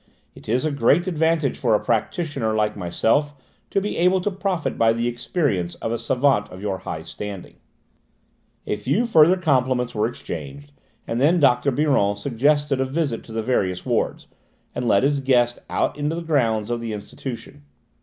It is a great advantage for a practitioner like myself to be able to profit by the experience of a savant of your high standing." A few further compliments were exchanged and then Dr. Biron suggested a visit to the various wards, and led his guest out into the grounds of the institution.